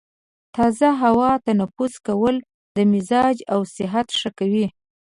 تازه هوا تنفس کول د مزاج او صحت ښه کوي.